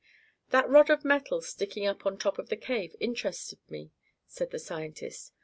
"That rod of metal sticking up on top of the cave interested me," said the scientist.